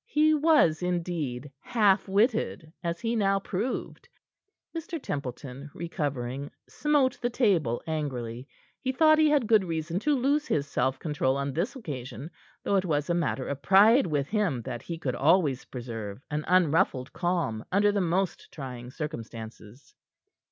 He was, indeed, half witted, as he now proved. Mr. Templeton, recovering, smote the table angrily. He thought he had good reason to lose his self control on this occasion, though it was a matter of pride with him that he could always preserve an unruffled calm under the most trying circumstances.